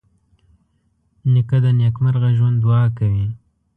نیکه د نېکمرغه ژوند دعا کوي.